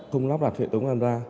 không đắp đặt hệ thống camera